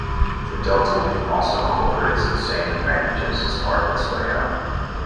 The delta wing also incorporates the same advantages as part of its layout.